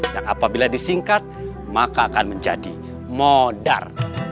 yang apabila disingkat maka akan menjadi modar